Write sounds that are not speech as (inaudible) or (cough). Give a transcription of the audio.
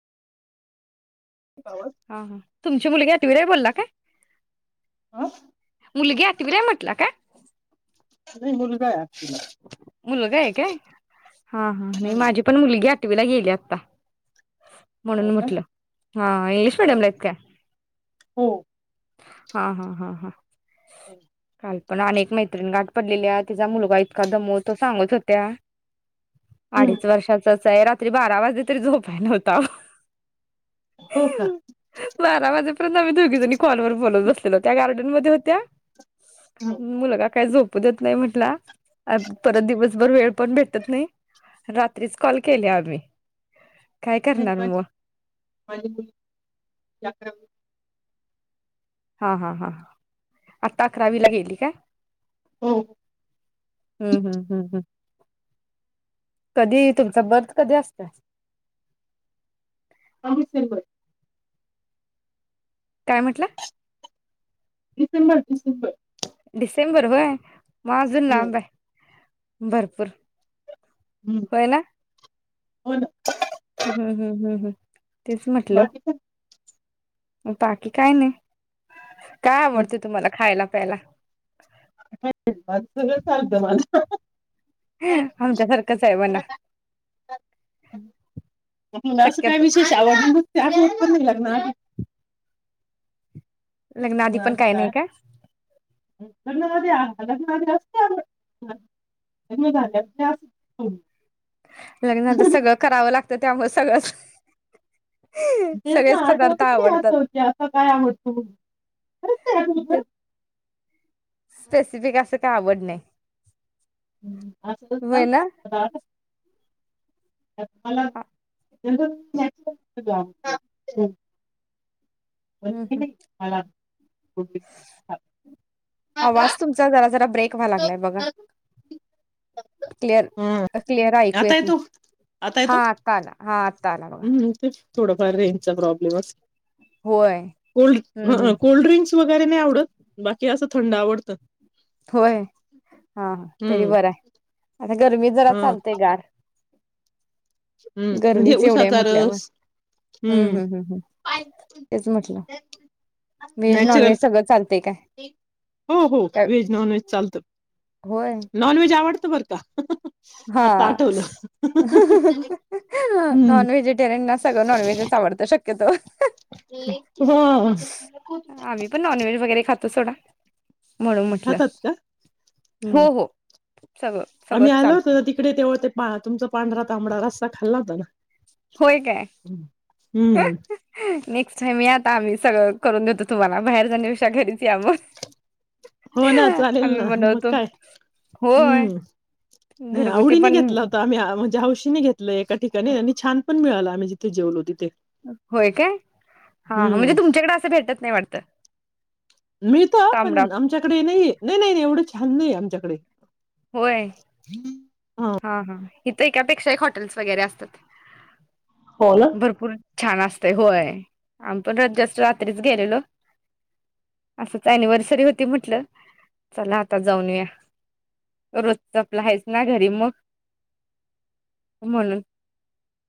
का. हा हा, तुमची मुलगी आठवीला बोलला काय. हा मुलगी आठवीला म्हटला का. मुलगा हाय. मुलगा हाय काय, हा हा नाही माझी पण मुलगी आठवीला गेली आता. म्हणून हो का म्हटलं, हा इंग्लिश मिडियम नाही ला आहेत का. हो हा हा हा हा (inaudible) काल पण अने मैत्रिण गाठ पडलेली आहे तिचा मुलगा कदम (unintelligible) सांगत होत्या. हम्म अडीच वर्षाचा रात्री बारा वाजे तरी झोपाय नव्हता अहो. हो का बारा वाजे आम्ही दोघी जणी कॉल वर बोलत बसलेलो, त्या गार्डन मध्ये होत्या. मुलगा काय झोप पुद्यात नाही म्हटलां. परत दिवसभर वेळ पण भेटत नाही रात्रीच कॉल केले आम्ही काय करणार मग (unintelligible) हा हा हा आत्ता अकरावीला गेली का? हो हम्म हम्म हम्म हम्म कधी तुमचा बर्थ कधी असतोय? अमित सिलवट. काय म्हटलां? डिसेंबर डिसेंबर डिसेंबर होय. म अजून लांब हाय भरपूर होय ना. हो ना. हम्म हम्म हम्म हम्म. तेच म्हटलं. बाकी काय बाकी काय नाही. काय आवडतें तुम्हाला खायला? खायला (unintelligible) (unintelligible) असं आमच्यासारखंच आहे म्हणा काय शक्यतो. विशेष आवडतं म? (unintelligible) लागणार लग्नाआधी पण काय नाही का? (inaudible) लग्ना नंतर सगळं करावं लाग त्यामुळे सगळंच तेच ना सगळेच पदार्थ आठवतच नाही आवडतात असं की असं काय आवडतं? खरंच नाही आठवत ना. ते स्पेसिफिक असं काय आवड नाही. हम्म असं होय नसतं! ना? असच का? हॅ हॅलो म्हणुन नॅचरल प्रॉडक्ट आहे आमचे! हम्म हम्म. हा आवाज तुमचा जरा जरा ब्रेक व्हाया लागलाय बघा! हा क्लिअर ऐकू आता नाही येतो हा आता आला! हात म्हणुन तर थोडाफार रेंजचा प्रॉब्लेम अस होय हम्म हम्म कोल्ड कोल्ड्रिंक्स व तरी नाही आवडत! बाकी अस थंड आवडत! होय! हा तरी हम्म बर आहे! आता गरमी जरा हा चालते गार! हम्म म्हणजे गरमीच एवढी हाय उसाचा म्हटल्या वर! रस ह्म्म हम्म ह्म्म ह्म्म ह्म्म तेच म्हटलं व्हेज नॉन नॅचरल व्हेज सगळं चालतंय काय! हो हो ये काय व्हेज नॉनव्हेज चालत! होय नॉनव्हेज आवडत! बर का! हा आता आठवलं हम्म नॉन व्हेजिटेरियन ना सगळं नॉनव्हेजच आवडत! शक्य येतो! हा (inaudible) त सोडा! म्हणून म्हटलं! खातात का हो हम्म हो सगळं आम्ही सगळंच आलो चालत होतो तिकडे तेव्हा ते तुमचा पांढरा तांबडा रस्ता खाल्ला होता का? होय काय! नेक्स्ट टाइम यात! आम्ही सगळं करून देतो तुम्हाला बाहेर जाण्यापेक्षा घरीच या म! हो ना चालेल ना मग काय होय हम्म घरगुती आवडीने पण घेतला होता आम्ही म्हणजे हौशीने घेतलं एका ठिकाणी आणि छान पण मिळाला आम्ही जी त जेवलो ती होय काय हा हम्म म्हणजे तुमच्याकडे असं भेटत नाही वाटत त मिळतं पण आमच्याकडे नाही नाही नाही नाही एवढंच छान नाही आमच्याकडे होय हां. हा हा इथ एकापेक्षा एक हॉटेल्स वगैरे असतात हो ना भरपूर छान असतय होय आम् पण जस्ट रात्रीच गेलेलो असंच अनिव्हर्सरी होती म्हटलं चला आता जाऊन या रोज तर आपला हच ना घरी मग हो म्हणून